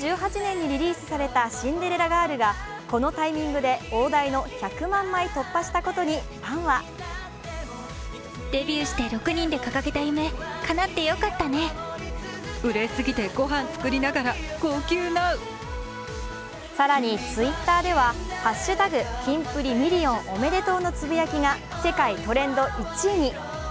２０１８年にリリースされた「シンデレラガール」がこのタイミングで大台の１００万枚突破したことにファンは更に、Ｔｗｉｔｔｅｒでは「＃キンプリミリオンおめでとう」のつぶやきが世界トレンド１位に。